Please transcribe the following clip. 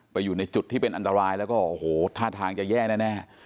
อยู่ในจุดที่เป็นอันตรายแล้วก็โอ้โหท่าทางจะแย่แน่